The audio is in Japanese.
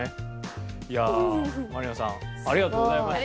いやマリナさんありがとうございました。